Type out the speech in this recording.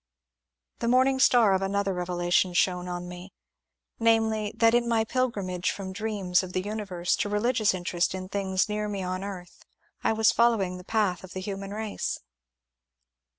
The morning star of another revelation shone on me, namely, that in my pilgrimage from dreams of the universe to religious interest in things near me on earth I was following the path of the human race.